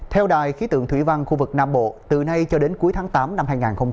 theo đài khí tượng thủy văn khu vực nam bộ từ nay cho đến cuối tháng tám năm hai nghìn hai mươi